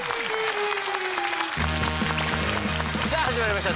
さあ始まりました